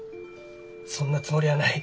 そんなつもりはない。